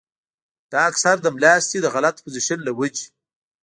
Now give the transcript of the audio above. دا اکثر د ملاستې د غلط پوزيشن له وجې